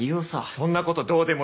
そんなことどうでもいい。